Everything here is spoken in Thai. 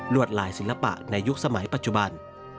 วดลายศิลปะในยุคสมัยปัจจุบัน